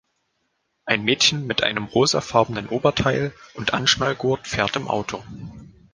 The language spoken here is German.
ein Mädchen mit einem rosafarbenen Oberteil und Anschnallgurt fährt im Auto.